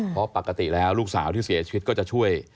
เพราะปกติแล้วลูกสาวที่เสียชีวิตก็จะช่วย